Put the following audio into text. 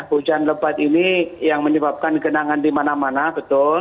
hujan lebat ini yang menyebabkan genangan di mana mana betul